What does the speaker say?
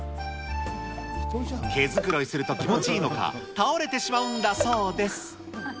毛繕いすると気持ちいいのか、倒れてしまうんだそうです。